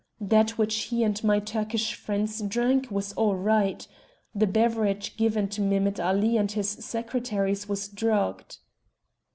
That which he and my Turkish friends drank was all right. The beverage given to Mehemet Ali and his secretaries was drugged."